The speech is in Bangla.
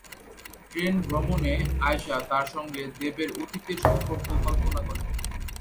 ট্রেন ভ্রমণে আয়শা তার সঙ্গে দেবের অতীতের সম্পর্ক কল্পনা করে।